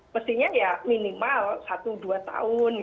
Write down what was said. mestinya ya minimal satu dua tahun